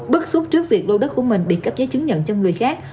bức xúc trước việc lô đất của mình bị cấp giấy chứng nhận cho người khác